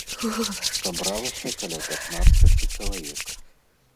Сабралася каля пятнаццаці чалавек.